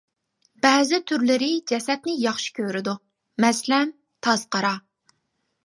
بەزى تۈرلىرى جەسەتنى ياخشى كۆرىدۇ، مەسىلەن: تازقارا.